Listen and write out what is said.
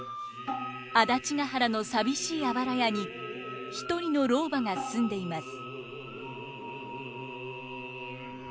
安達原の寂しいあばら家に一人の老婆が住んでいます。